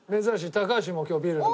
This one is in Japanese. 高橋も今日ビールで。